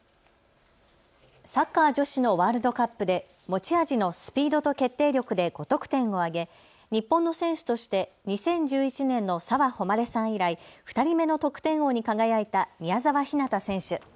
サッカー女子のワールドカップで持ち味のスピードと決定力で５得点を挙げ日本の選手として２０１１年の澤穂希さん以来、２人目の得点王に輝いた宮澤ひなた選手。